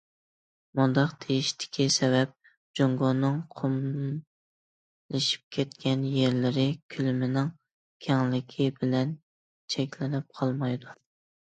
مۇنداق دېيىشتىكى سەۋەب، جۇڭگونىڭ قۇملىشىپ كەتكەن يەرلىرى كۆلىمىنىڭ كەڭلىكى بىلەن چەكلىنىپ قالمايدۇ.